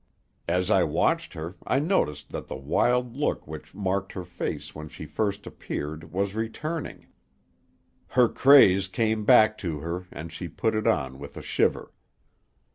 As I watched her I noticed that the wild look which marked her face when she first appeared was returning; her craze came back to her, and she put it on with a shiver.